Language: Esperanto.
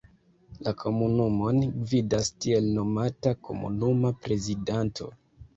La komunumon gvidas tiel nomata komunuma prezidanto.